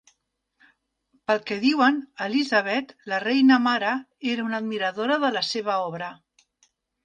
Pel que diuen, Elizabeth, La Reina Mare, era una admiradora de la seva obra.